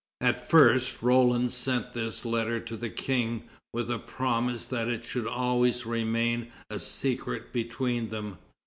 At first Roland sent this letter to the King, with a promise that it should always remain a secret between them.